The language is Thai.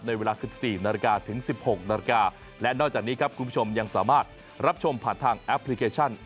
เวลา๑๔นาฬิกาถึง๑๖นาฬิกาและนอกจากนี้ครับคุณผู้ชมยังสามารถรับชมผ่านทางแอปพลิเคชัน